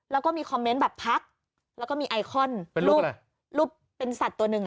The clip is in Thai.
แล้วก็คอมเมนต์เป็นไอคอนรูปเป็นสัตว์ตัวนึง